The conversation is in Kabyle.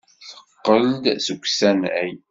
Teqqel-d seg usanay.